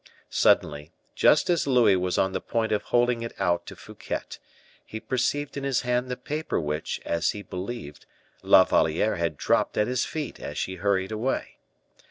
Suddenly, just as Louis was on the point of holding it out to Fouquet, he perceived in his hand the paper which, as he believed, La Valliere had dropped at his feet as she hurried away.